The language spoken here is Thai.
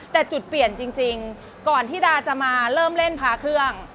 แต่จุดเปลี่ยนจริงก่อนที่ดาจะมาเริ่มเล่นพาเครื่อง